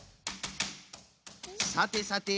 さてさて。